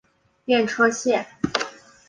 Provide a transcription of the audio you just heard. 电车线。